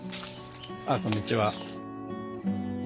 あこんにちは。